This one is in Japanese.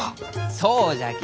そうじゃき。